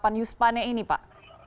kapan yus pane ini pak